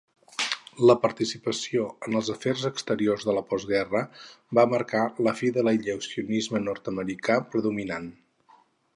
La participació en els afers exteriors de la postguerra va marcar la fi de l'aïllacionisme nord-americà predominant.